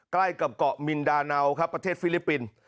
ใกล้กับเกาะมินดาเนาครับประเทศฟิลิปปินส์